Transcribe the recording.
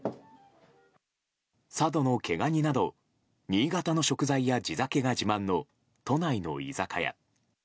佐渡の毛ガニなど新潟の食材や地酒が自慢の都内の居酒屋。